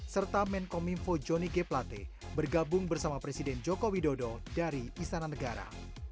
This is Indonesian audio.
serta menkomimfo joni g plate bergabung bersama presiden joko widodo dari istana negara